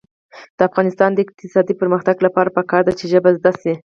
د افغانستان د اقتصادي پرمختګ لپاره پکار ده چې ژبې زده شي.